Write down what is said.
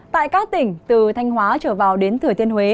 tại các tỉnh từ thanh hóa trở vào đến thừa thiên huế